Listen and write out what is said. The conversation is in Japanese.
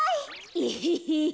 エヘヘヘ。